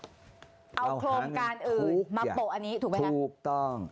เอาโครงการอื่นมาโปะอันนี้ถูกไหมคะถูกต้อง